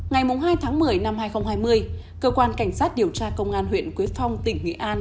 ngày hai tháng một mươi năm hai nghìn hai mươi cơ quan cảnh sát điều tra công an huyện quế phong tỉnh nghệ an